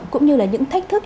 cũng như là những thách thức